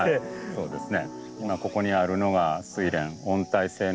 そうですね。